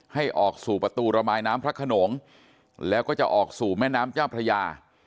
ให้ออกสู่ประตูระบายน้ำพระขนงแล้วก็จะออกสู่แม่น้ำเจ้าพระยา